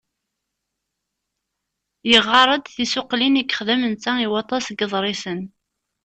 Yeγγar-d tisuqilin i yexdem netta i waṭas n yiḍrisen.